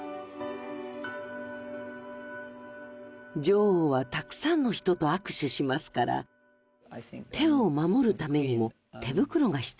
女王はたくさんの人と握手しますから手を守るためにも手袋が必要なんです。